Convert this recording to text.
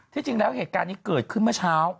จริงแล้วเหตุการณ์นี้เกิดขึ้นเมื่อเช้า